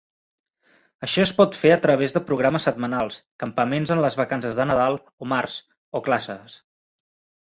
Això es pot fer a través de programes setmanals, campaments en les vacances de Nadal o març, o classes.